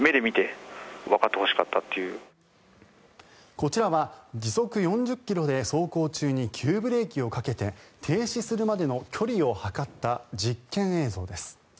こちらは時速４０ｋｍで走行中に急ブレーキをかけて停止するまでの距離を測った実験映像です。